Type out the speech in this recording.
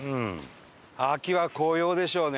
秋は紅葉でしょうね。